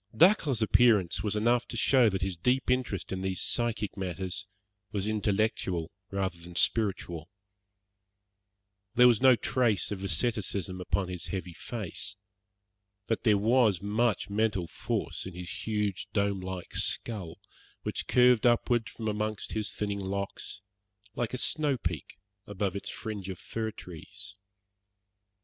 Dacre's appearance was enough to show that his deep interest in these psychic matters was intellectual rather than spiritual. There was no trace of asceticism upon his heavy face, but there was much mental force in his huge, dome like skull, which curved upward from amongst his thinning locks, like a snowpeak above its fringe of fir trees.